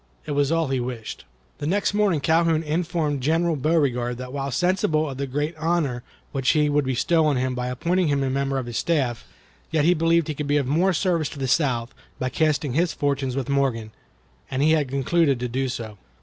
It was all he wished. The next morning Calhoun informed General Beauregard that while sensible of the great honor which he would bestow on him by appointing him a member of his staff, yet he believed he could be of more service to the South by casting his fortune with Morgan, and he had concluded to do so.